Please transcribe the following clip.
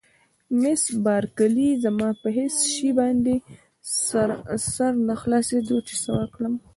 مس بارکلي: زما په هېڅ شي باندې سر نه خلاصېده چې څه وکړم.